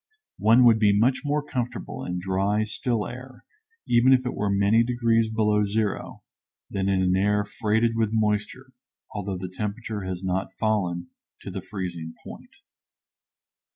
One would be much more comfortable in dry, still air, even if it were many degrees below zero, than in an air freighted with moisture, although the temperature has not fallen to the freezing point.